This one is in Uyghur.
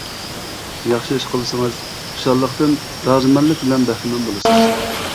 ياخشى ئىش قىلسىڭىز، خۇشاللىقتىن رازىمەنلىك بىلەن بەھرىمەن بولىسىز.